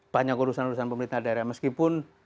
banyak urusan urusan pemerintah daerah meskipun